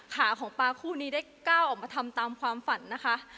ขาของปลาคู่นี้ได้ก้าวออกมาทำตามความฝันนะคะ